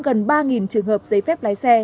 gần ba trường hợp giấy phép lái xe